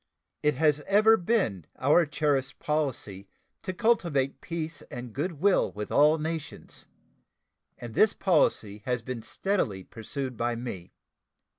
It has ever been our cherished policy to cultivate peace and good will with all nations, and this policy has been steadily pursued by me.